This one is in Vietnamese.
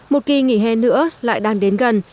một kỳ nghỉ hè nữa lại đang đến gần